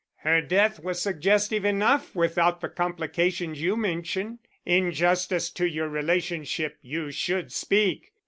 Her death was suggestive enough without the complications you mention. In justice to your relationship you should speak.